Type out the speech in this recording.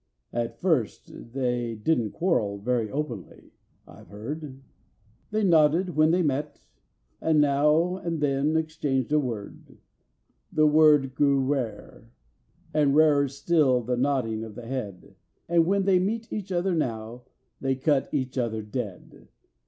At first they didn't quarrel very openly, I've heard; They nodded when they met, and now and then exchanged a word: The word grew rare, and rarer still the nodding of the head, And when they meet each other now, they cut each other dead.